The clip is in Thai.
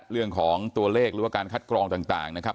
เรื่องของตัวเลขหรือว่าการคัดกรองต่างนะครับ